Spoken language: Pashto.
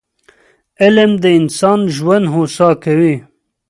علم د انسان ژوند هوسا کوي